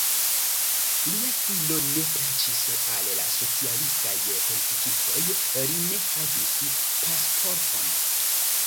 Lia stilo ne plaĉis al la socialistaj politikistoj, li ne havis pasporton.